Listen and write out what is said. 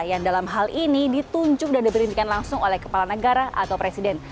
yang dalam hal ini ditunjuk dan diberhentikan langsung oleh kepala negara atau presiden